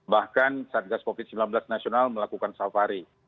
bahkan satgas covid sembilan belas nasional melakukan safari